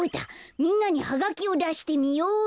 みんなにハガキをだしてみよっと。